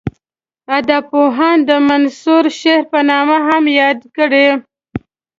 ادبپوهانو د منثور شعر په نامه هم یاد کړی.